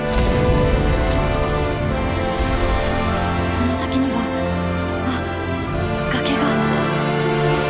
その先にはあっ崖が。